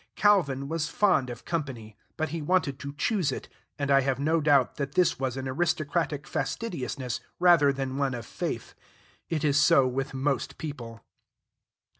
Calvin was fond of company, but he wanted to choose it; and I have no doubt that his was an aristocratic fastidiousness rather than one of faith. It is so with most people.